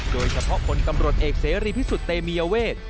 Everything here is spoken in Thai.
โดยเฉพาะคนตำรวจเอกเสรีพิสุทธิ์เตมียเวท